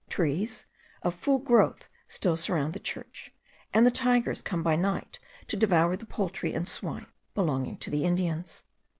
Trees of full growth still surround the church, and the tigers come by night to devour the poultry and swine belonging to the Indians.